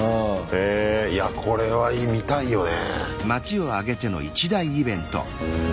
へいやこれは見たいよね。